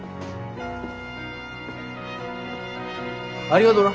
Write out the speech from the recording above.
ありがどな。